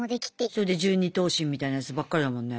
それで１２頭身みたいなやつばっかりだもんね。